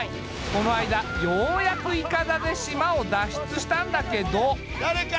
この間、ようやくいかだで島を脱出したんだけど。